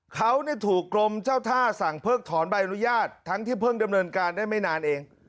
เขาถูกกรมเจ้าท่าสั่งเพิกถอนใบอนุญาตทั้งที่เพิ่งดำเนินการได้ไม่นานเอง